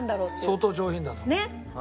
相当上品だと思う。